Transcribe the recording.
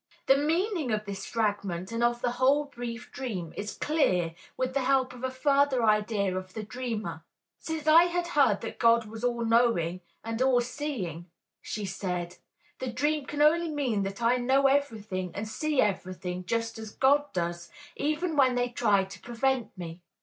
The meaning of this fragment and of the whole brief dream, is clear with the help of a further idea of the dreamer. "Since I had heard that God was all knowing and all seeing," she said, "the dream can only mean that I know everything and see everything just as God does, even when they try to prevent me."